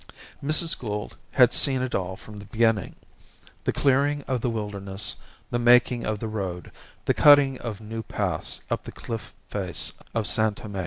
Mrs. Gould had seen it all from the beginning: the clearing of the wilderness, the making of the road, the cutting of new paths up the cliff face of San Tome.